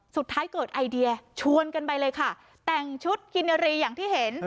สุดท้ายเกิดไอเดียชวนกันไปเลยค่ะแต่งชุดกินนารีอย่างที่เห็น